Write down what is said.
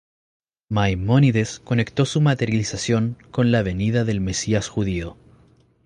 Maimónides conectó su materialización con la venida del Mesías judío.